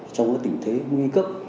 trong các cái tình thế nguy cấp